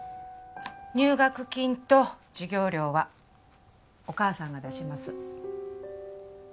入学金と授業料はお母さんが出します